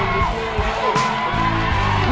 เร็ว